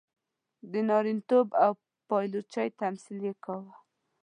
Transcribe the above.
د نامیتوب او پایلوچۍ تمثیل یې کاوه.